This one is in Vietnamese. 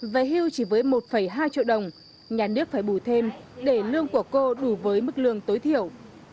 về hưu chỉ với một hai triệu đồng nhà nước phải bù thêm để lương của cô đủ với mức lương tối thiểu